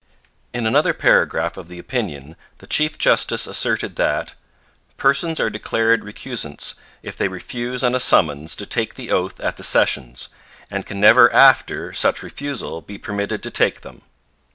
In another paragraph of the opinion the chief justice asserted that 'persons are declared recusants if they refuse on a summons to take the oath at the sessions, and can never after such refusal be permitted to take them.'